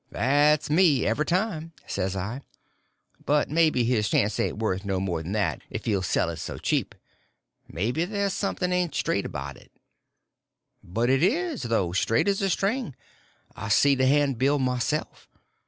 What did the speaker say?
"That's me, every time," says I. "But maybe his chance ain't worth no more than that, if he'll sell it so cheap. Maybe there's something ain't straight about it." "But it is, though—straight as a string. I see the handbill myself.